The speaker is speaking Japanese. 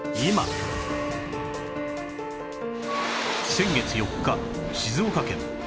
先月４日静岡県